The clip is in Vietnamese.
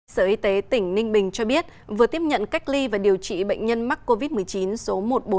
sở y tế tỉnh ninh bình cho biết vừa tiếp nhận cách ly và điều trị bệnh nhân mắc covid một mươi chín số một nghìn bốn trăm linh hai